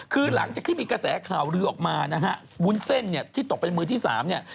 คือหลังจากที่มีกระแสข่าวลือออกมานะฮะวุ้นเส้นเนี่ยที่ตกเป็นมือที่สามเนี่ย